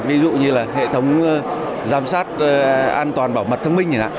ví dụ như là hệ thống giám sát an toàn bảo mật thông minh